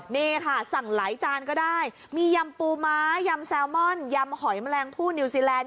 นี่ค่ะสั่งหลายจานก็ได้มียำปูม้ายำแซลมอนยำหอยแมลงผู้นิวซีแลนด